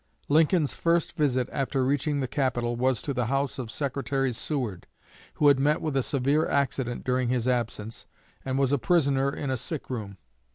Lincoln's first visit, after reaching the capital, was to the house of Secretary Seward, who had met with a severe accident during his absence, and was a prisoner in a sick room.